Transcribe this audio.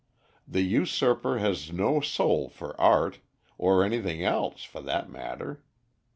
The usurper has no soul for art, or anything else, for that matter.